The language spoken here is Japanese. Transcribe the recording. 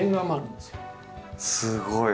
すごい！